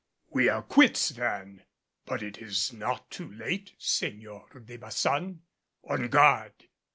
"We are quits then. But it is not too late, Señor de Baçan. On guard!"